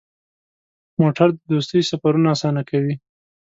موټر د دوستۍ سفرونه اسانه کوي.